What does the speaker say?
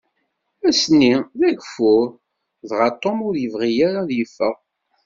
Ass-nni, d agfur, dɣa Tom ur yebɣi ara ad yeffeɣ.